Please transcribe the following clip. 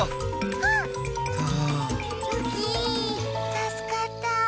たすかった。